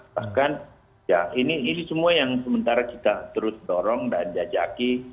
bahkan ya ini semua yang sementara kita terus dorong dan jajaki